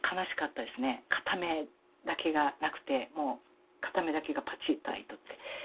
片目だけがなくてもう片目だけがパチッと開いとって。